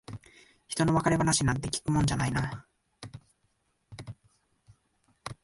ひとの別れ話なんて聞くもんじゃないな。